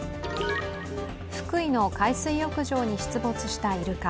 福井の海水浴場に出没したイルカ。